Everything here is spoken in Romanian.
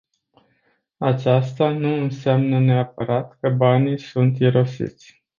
Aceasta nu înseamnă neapărat că banii sunt irosiți.